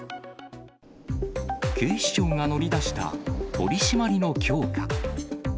警視庁が乗り出した、取締りの強化。